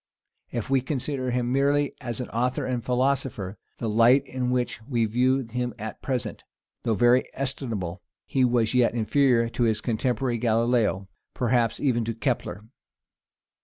If we consider him merely as an author and philosopher, the light in which we view him at present, though very estimable, he was yet inferior to his contemporary Galilaeo, perhaps even to Kepler.